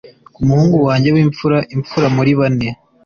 ku muhungu wanjye wimfura, imfura muri bane